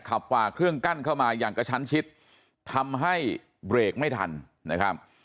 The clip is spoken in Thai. ฝ่าเครื่องกั้นเข้ามาอย่างกระชั้นชิดทำให้เบรกไม่ทันนะครับ